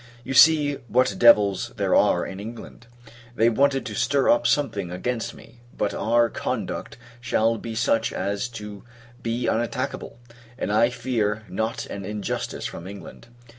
You see what devils [there are] in England! They wanted to stir up something against me; but our conduct shall be such as to be unattackable: and I fear not an injustice from England.